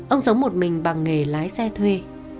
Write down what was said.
ông sống một mình bằng nghề lái xe thuê